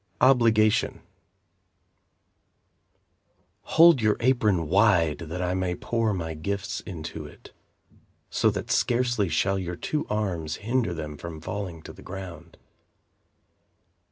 Obligation Hold your apron wide That I may pour my gifts into it, So that scarcely shall your two arms hinder them From falling to the ground.